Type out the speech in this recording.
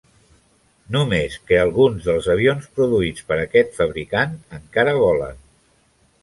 Només que alguns dels avions produïts per aquest fabricant encara volen.